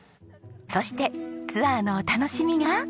そしてツアーのお楽しみが。